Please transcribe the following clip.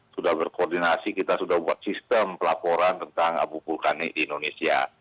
sudah berkoordinasi kita sudah buat sistem pelaporan tentang abu vulkanik di indonesia